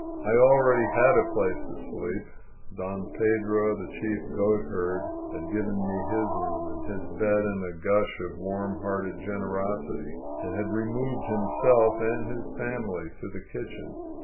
I already had a place to sleep. Don Pedro, the chief goatberd, had given me his room and his bed in a gush of warm hearted generosity, and had removed himself and his family to the kitchen.